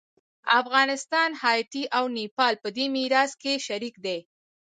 افغانستان، هایټي او نیپال په دې میراث کې شریک دي.